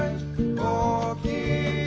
おおきい？